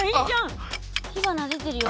火花でてるよ。